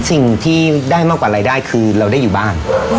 สิ่งที่ได้มากกว่ารายได้คือเราได้อยู่บ้าน